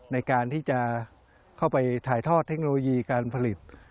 ในการที่จะเข้าไปถ่ายทอดเทคโนโลยีการผลิต